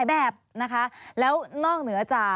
มีความรู้สึกว่ามีความรู้สึกว่า